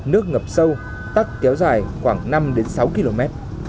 nước ngập sâu tắc kéo dài khoảng năm sáu km